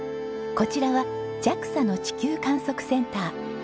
こちらはＪＡＸＡの地球観測センター。